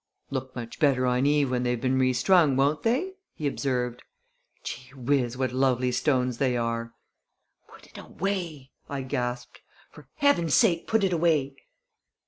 "Look much better on Eve when they've been re strung, won't they?" he observed. "Gee whiz! What lovely stones they are!" "Put it away!" I gasped. "For Heaven's sake, put it away!"